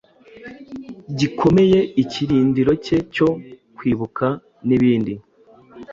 gikomeye Ikirindiro cye cyo kwibuka nibindi